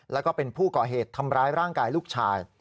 แล้วก็เป็นผู้ก่อเหตุทำร้ายร่างกายลูกชาย